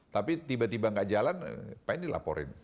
tapi tiba tiba tidak jalan pengen dilaporin